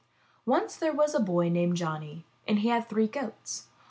Once there was a boy named Johnny, and he had three goats.